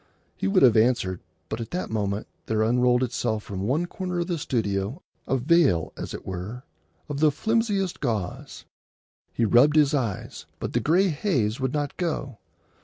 He would have answered, but at that moment there unrolled itself from one corner of the studio a veil, as it were, of the flimsiest gauze. He rubbed his eyes, but the gray haze would not go.